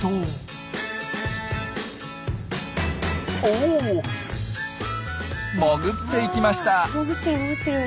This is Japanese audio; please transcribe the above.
おお潜っていきました。